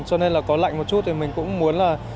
cho nên là có lạnh một chút thì mình cũng muốn là